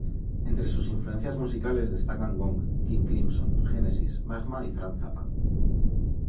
Entre sus influencias musicales destacan Gong, King Crimson, Genesis, Magma y Frank Zappa.